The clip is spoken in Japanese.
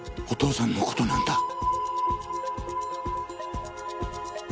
お父さんの事なんだ。